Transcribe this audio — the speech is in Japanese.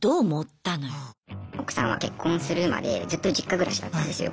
奥さんは結婚するまでずっと実家暮らしだったんですよ。